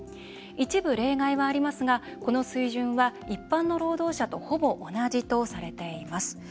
一部例外はありますがこの水準は一般の労働者とほぼ同じとされています。